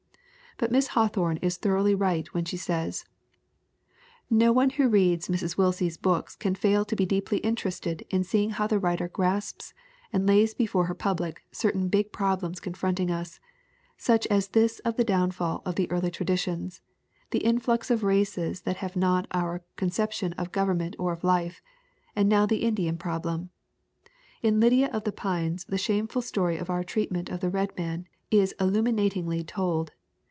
But Miss Hawthorne is thoroughly right when she says : "No one who reads Mrs. Willsie's books can fail to be deeply interested in seeing how the writer grasps and lays before her public certain big problems con fronting us, such as this of the downfall of the early traditions, the influx of races that have not our con ception of government or of life, and now the Indian problem. In Lydia of the Pines the shameful story of our treatment of the red man is illuminatingly told.